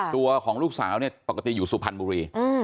ตัวของลูกสาวเนี่ยปกติอยู่สุพรรณบุรี